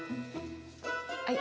はい。